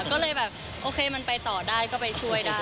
ก็เลยแบบโอเคมันไปต่อได้ก็ไปช่วยได้